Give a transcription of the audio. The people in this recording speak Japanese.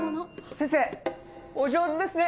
先生お上手ですね。